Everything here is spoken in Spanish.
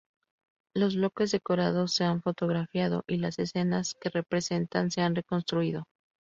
Los bloques decorados se han fotografiado y las escenas que representan se han reconstruido.